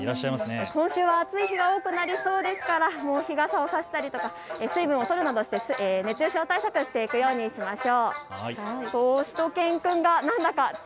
今週は暑い日が多くなりそうですから日傘を差したり、水分をとるなど熱中症対策していくようにしましょう。